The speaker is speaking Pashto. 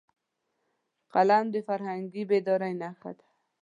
قلم د فرهنګي بیدارۍ نښه ده